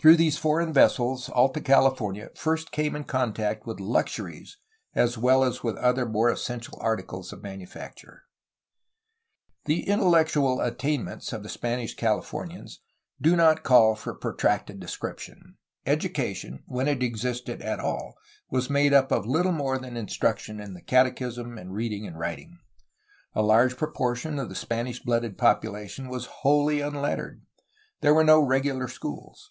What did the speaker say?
Through these foreign vessels Alta California first came in contact with luxuries as well as with other more essential articles of manufacture The intellectual attainments of the Spanish Californians do not call for protracted description. Education, when it existed at all, was made up of little more than instruction in the catechism and reading and writing. A large proportion of the Spanish blooded population was wholly unlettered. There were no regular schools.